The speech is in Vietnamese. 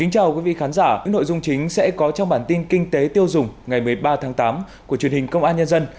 chào mừng quý vị đến với bản tin kinh tế tiêu dùng ngày một mươi ba tháng tám của truyền hình công an nhân dân